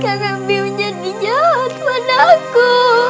kenapa sekarang bion jadi jahat padaku